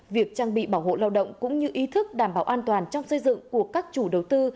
việc trang bị bảo hộ lao động cũng như ý thức đảm bảo an toàn trong xây dựng của các chủ đầu tư